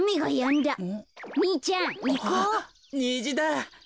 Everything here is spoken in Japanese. にじだ！